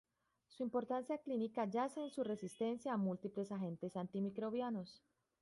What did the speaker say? Su importancia clínica yace en su resistencia a múltiples agentes antimicrobianos.